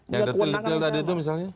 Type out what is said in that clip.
yang detail detail tadi itu misalnya